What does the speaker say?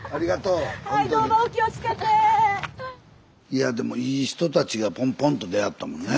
いやでもいい人たちがポンポンと出会ったもんね。